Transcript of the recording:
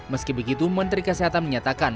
meski begitu menteri kesehatan menyatakan